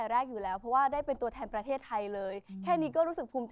อย่าเรียกว่าข่าวทำอันนี้ก่อน